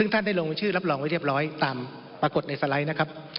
ท่านได้ลงชื่อรับรองไว้เรียบร้อยตามปรากฏในสไลด์นะครับ